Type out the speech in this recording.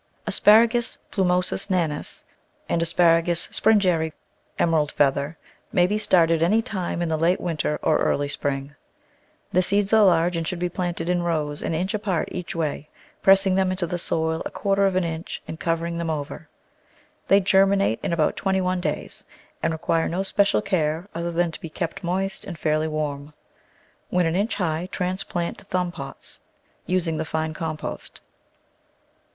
Asparagus plumosus nanus and A. Sprengeri (em erald feather) may be started any time in the late winter or early spring. The seeds are large and should be planted in rows an inch apart each way, pressing them into the soil a quarter of an inch and covering them over. They germinate in about twenty one days, and require no especial care other than to be kept moist and fairly warm. When an inch high transplant to thumb pots, using the fine compost.